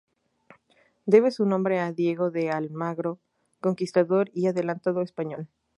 Debe su nombre a Diego de Almagro, conquistador y adelantado español.